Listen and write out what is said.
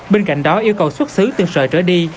bên cạnh đó yêu cầu xuất xứ từ sợi trở đi